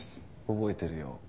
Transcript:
覚えてるよ。